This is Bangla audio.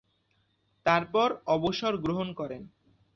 তারপর অবসর গ্রহণ করেন।